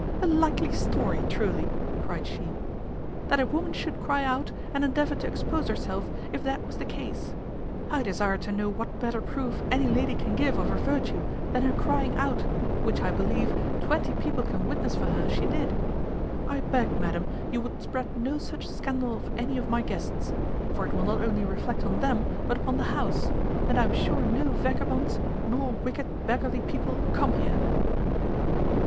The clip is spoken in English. "A likely story, truly," cried she, "that a woman should cry out, and endeavour to expose herself, if that was the case! I desire to know what better proof any lady can give of her virtue than her crying out, which, I believe, twenty people can witness for her she did? I beg, madam, you would spread no such scandal of any of my guests; for it will not only reflect on them, but upon the house; and I am sure no vagabonds, nor wicked beggarly people, come here."